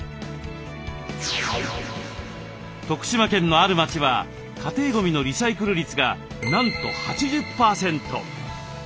徳島県のある町は家庭ゴミのリサイクル率がなんと８０％。